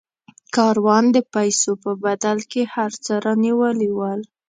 کاروان د پیسو په بدل کې هر څه رانیولي ول.